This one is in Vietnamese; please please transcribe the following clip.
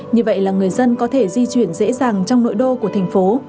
như vậy là người dân có thể di chuyển dễ dàng trong nội đô của thành phố